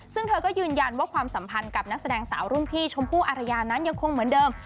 ซึ่งเธอก็ยืนยันว่าความสัมพันธ์กับนักแสดงสาวรุ่นพี่ชมพู่อารยานั้นยังคงเหมือนเดิม